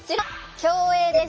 競泳です。